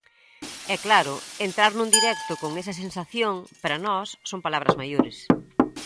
E claro, entrar nun directo con esa sensación, para nós, son palabras maiores.